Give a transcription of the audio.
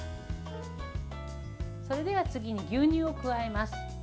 それでは次に牛乳を加えます。